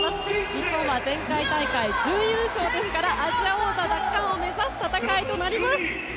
日本は前回大会、準優勝ですからアジア王座奪還を目指す戦いとなります。